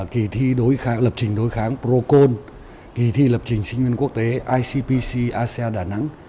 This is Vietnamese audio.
kỳ thi lập trình đối kháng procon kỳ thi lập trình sinh viên quốc tế icpc asean đà nẵng